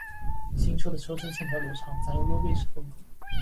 新车的车身线条流畅，采用溜背式风格